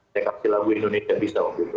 saya kasih lagu indonesia bisa waktu itu